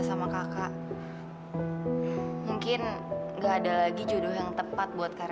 sampai jumpa di video selanjutnya